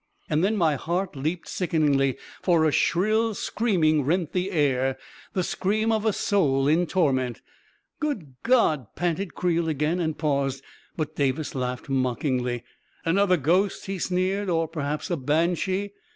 . And then my heart leaped sickeningly, for a shrill screaming rent the air — the scream of a soul in torment .•." Good God 1 " panted Creel again, and paused. But Davis laughed mockingly. " Another ghost 1 " he sneered. " Or perhaps a banshee